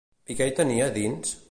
I què hi tenia a dins?